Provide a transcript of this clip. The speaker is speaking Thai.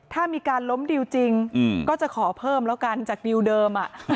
ถ้ามีการล้มดิวจริงก็จะขอเพิ่มแล้วกันจากดิวเดิม